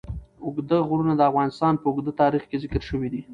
اوږده غرونه د افغانستان په اوږده تاریخ کې ذکر شوی دی.